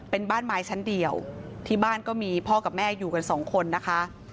เป็นบ้านไม้ชั้นเดียวที่บ้านก็มีพ่อกับแม่อยู่กันสองคนนะคะ